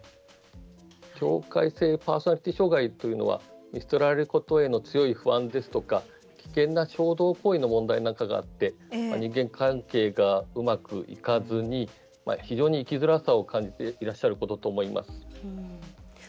境界性パーソナリティー障害というのは見捨てられることへの強い不安ですとか危険な衝動行為の問題なんかがあって人間関係がうまくいかずに非常に生きづらさを感じていらっしゃることと思います。